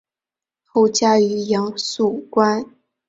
后嫁于杨肃观。